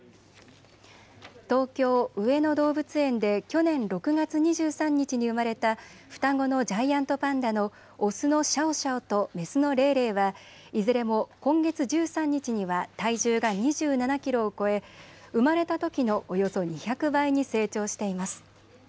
東京・上野動物園で去年６月２３日に生まれた双子のジャイアントパンダのオスのシャオシャオとメスのレイレイはいずれも今月１３日には体重が２７キロを超え生まれたときのおよそ２００倍に成長しています。